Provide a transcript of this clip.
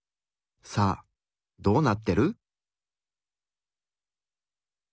さあどうなってる？